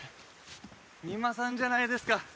三馬さんじゃないですか。